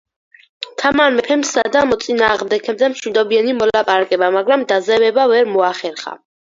თამარ მეფემ სცადა მოწინააღმდეგეებთან მშვიდობიანი მოლაპარაკება, მაგრამ დაზავება ვერ მოახერხა.